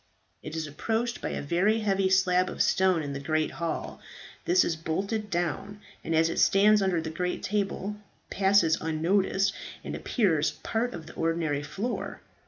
It is approached by a very heavy slab of stone in the great hall. This is bolted down, and as it stands under the great table passes unnoticed, and appears part of the ordinary floor.